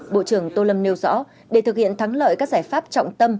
bộ trưởng tô lâm nêu rõ để thực hiện thắng lợi các giải pháp trọng tâm